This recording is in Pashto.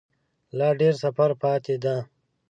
لا ډیر سفر پاته دی